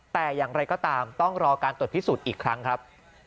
แต่อย่างไรก็ตามต้องรอการตรวจพิสูจน์อีกครั้งครับ